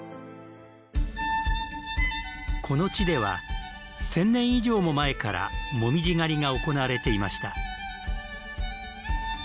この地では、千年以上も前からもみじ狩りが行われていました。